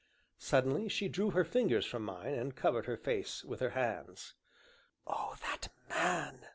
Suddenly she drew her fingers from mine, and covered her face with her hands. "Oh, that man!"